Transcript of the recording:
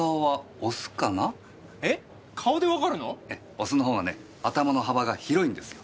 オスのほうがね頭の幅が広いんですよ。